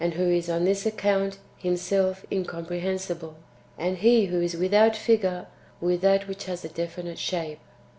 who is on this account [Himself] incomprehensible ; and He who is without figure witli that which has a definite shape.